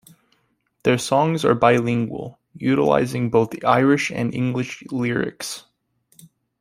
Their songs are bilingual, utilising both Irish and English lyrics.